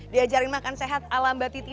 diajarin makan sehat ala mbak titi